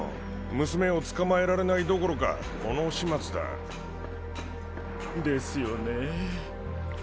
娘を捕まえられないどころかこの始末だ。ですよね。